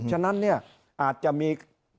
ฉะนั้นอาจจะมี